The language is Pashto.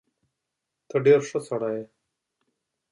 ته ډېر ښه سړی يې.